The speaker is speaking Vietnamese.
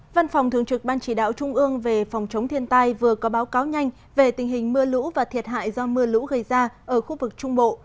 văn phòng thường trực ban chỉ đạo trung ương về phòng chống thiên tai vừa có báo cáo nhanh về tình hình mưa lũ và thiệt hại do mưa lũ gây ra ở khu vực trung bộ